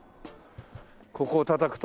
ここをたたくと。